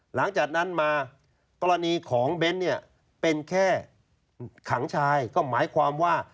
หลังจากนั้นมากรณีของเบ้นเนี่ยเป็นแค่ขังชายก็หมายความว่า